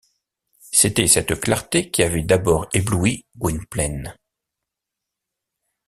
C’était cette clarté qui avait d’abord ébloui Gwynplaine.